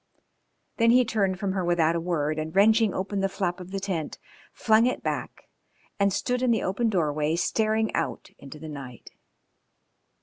Then he turned from her without a word, and wrenching open the flap of the tent, flung it back and stood in the open doorway staring out into the right.